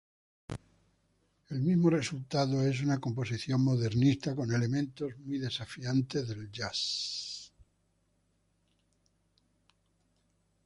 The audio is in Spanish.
El mismo resultado es una composición modernista con elementos muy desafiante del jazz.